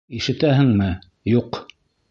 Ишетәһеңме, юҡ!